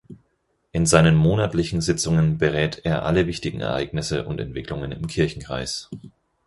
In seinen monatlichen Sitzungen berät er alle wichtigen Ereignisse und Entwicklungen im Kirchenkreis.